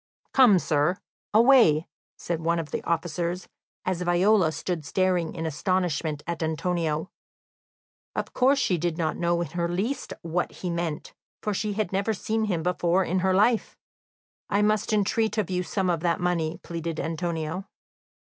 "Come, sir, away," said one of the officers, as Viola stood staring in astonishment at Antonio. Of course she did not know in the least what he meant, for she had never seen him before in her life. "I must entreat of you some of that money," pleaded Antonio.